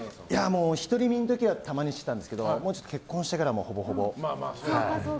独り身の時はたまにしてたんですけど結婚してからはほぼほぼ。